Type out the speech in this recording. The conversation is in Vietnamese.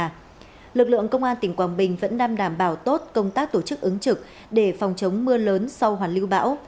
lực lượng công an tỉnh quảng bình vẫn đang đảm bảo tốt công tác tổ chức ứng trực để phòng chống mưa lớn sau hoàn lưu bão